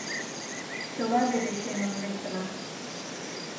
Чыла вере шеҥын лектына.